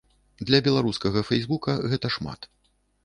Для беларускага фэйсбука гэта шмат.